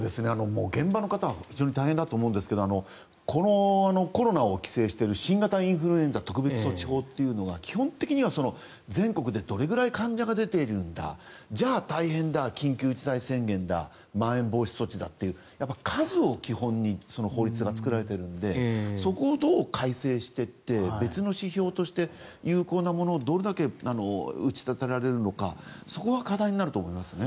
現場の方は非常に大変だと思いますが新型インフルエンザ特別措置法というのが基本的には全国でどれぐらい患者が出ているんだじゃあ大変だ、緊急事態宣言だまん延防止措置だって数を基本に法律が作られているのでそこをどう改正していって別の指標として有効なものをどれだけ打ち立てられるのかそこが課題になると思います。